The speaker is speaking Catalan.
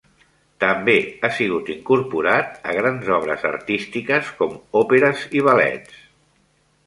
També ha sigut incorporat a grans obres artístiques com òperes i ballets.